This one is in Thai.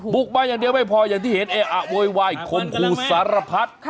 มาอย่างเดียวไม่พออย่างที่เห็นเออะโวยวายคมครูสารพัฒน์